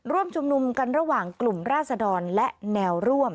ร่วมชุมนุมกันระหว่างกลุ่มราศดรและแนวร่วม